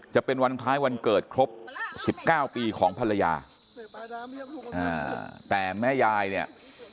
จะเป็นวันคล้ายวันเกิดครบสิบเก้าปีของภรรยาแต่แม่ยายเนี่ย